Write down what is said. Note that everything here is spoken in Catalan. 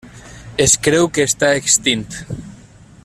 Es creu que està extint.